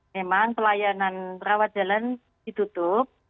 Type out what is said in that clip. memang pelayanan rawat jalan ditutup